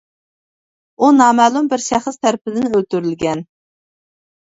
ئۇ نامەلۇم بىر شەخس تەرىپىدىن ئۆلتۈرۈلگەن.